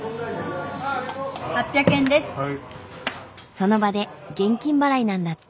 その場で現金払いなんだって。